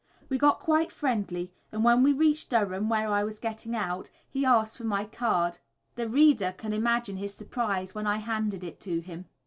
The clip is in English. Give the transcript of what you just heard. We got quite friendly, and when we reached Durham, where I was getting out, he asked for my card. The reader can imagine his surprise when I handed it to him.